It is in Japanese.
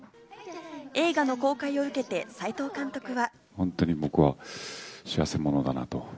映画の公開を受けて、齊藤監督は。